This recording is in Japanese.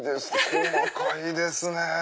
細かいですねぇ。